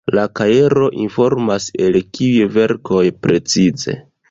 La kajero informas, el kiuj verkoj precize.